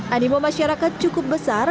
animo masyarakat cukup besar